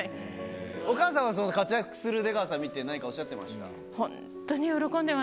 お母さんはその活躍する出川さん見て何かおっしゃってました？